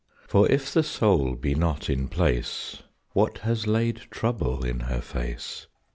For if the soul be not in place, What has laid trouble in her face?